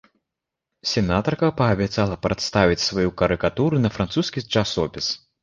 Сенатарка паабяцала прадставіць сваю карыкатуру на французскі часопіс.